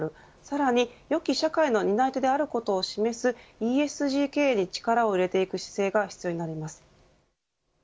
さらによき社会の担い手であることを示すＥＳＧ経営に力を入れていく姿勢が必要になります。